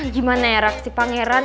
gimana ya reaksi pangeran